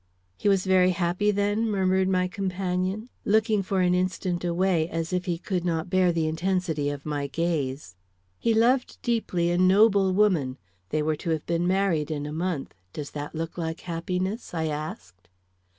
"He was very happy, then?" murmured my companion, looking for an instant away, as if he could not bear the intensity of my gaze. "He loved deeply a noble woman; they were to have been married in a month; does that look like happiness?" I asked.